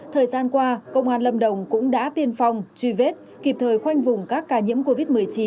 thời gian qua công an lâm đồng cũng đã tiên phong truy vết kịp thời khoanh vùng các ca nhiễm covid một mươi chín